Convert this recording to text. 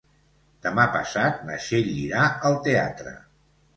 Demà passat na Txell irà al teatre.